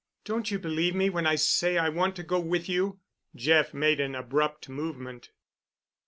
"Don't you believe me when I say I want to go with you?" Jeff made an abrupt movement.